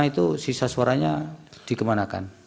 itu sisa suaranya dikemanakan